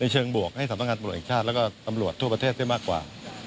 เชิงบวกให้สำนักงานตำรวจแห่งชาติแล้วก็ตำรวจทั่วประเทศได้มากกว่า